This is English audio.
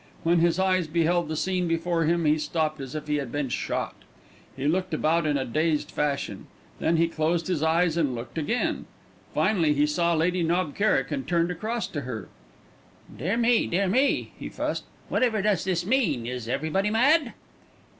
When his eyes beheld the scene before him, he stopped as if he had been shot. He looked about in a dazed fashion. Then he closed his eyes and looked again. Finally he saw Lady Knob Kerrick, and hurried across to her. "Dear me, dear me!" he fussed. "Whatever does this mean? Is everybody mad?"